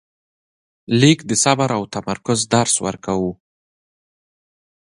لیک د صبر او تمرکز درس ورکاوه.